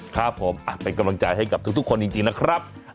ครับผมเป็นกำลังใจให้กับทุกคนจริงนะครับ